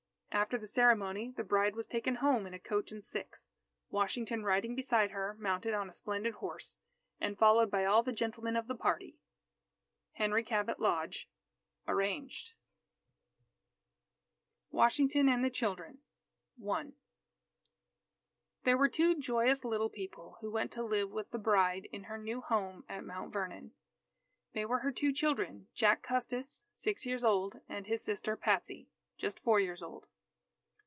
After the ceremony, the bride was taken home in a coach and six, Washington riding beside her, mounted on a splendid horse, and followed by all the gentlemen of the party. Henry Cabot Lodge (Arranged) WASHINGTON AND THE CHILDREN I There were two joyous little people who went to live with the bride in her new home at Mount Vernon. They were her two children, Jack Custis, six years old, and his sister Patsy, just four years old.